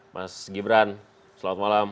mas gibran selamat malam